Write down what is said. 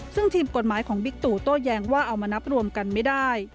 ซึ่งทีมกฎหมายของบิ๊กตู่โต้แย้งว่าเอามานับรวมกันไม่ได้